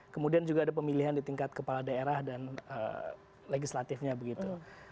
kemudian juga ada pemilihan di tingkat kepala daerah dan legislatifnya begitu